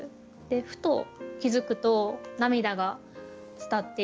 ふと気付くと涙が伝っていた。